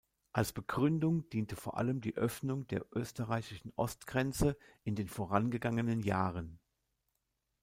Als Begründung diente vor allem die Öffnung der österreichischen Ostgrenze in den vorangegangenen Jahren.